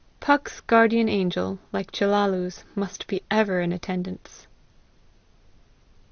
Puck's Guardian Angel, like Chellalu's, must be ever in attendance.